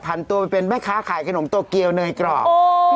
ันตัวไปเป็นแม่ค้าขายขนมโตเกียวเนยกรอบ